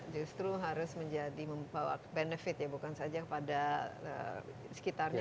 justru harus menjadi membawa benefit ya bukan saja pada sekitarnya